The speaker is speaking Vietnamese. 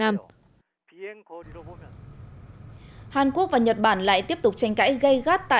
hàn quốc và nhật bản lại tiếp tục tranh cãi gây gắt tại